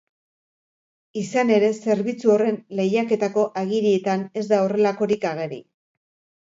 Izan ere, zerbitzu horren lehiaketako agirietan ez da horrelakorik ageri.